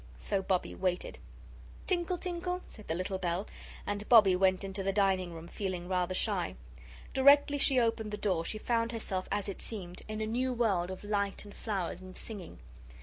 So Bobbie waited. "Tinkle, tinkle," said the little bell, and Bobbie went into the dining room, feeling rather shy. Directly she opened the door she found herself, as it seemed, in a new world of light and flowers and singing.